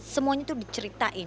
semuanya tuh diceritain